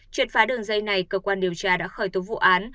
triệt phá đường dây này cơ quan điều tra đã khởi tố vụ án